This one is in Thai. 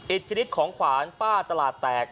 อิทธิฤทธิของขวานป้าตลาดแตก